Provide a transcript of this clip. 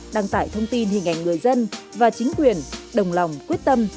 đăng tải thông tin hình ảnh người dân và chính quyền đồng lòng quyết tâm